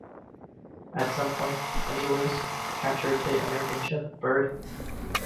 At some point "Emulous" captured the American ship "Bird".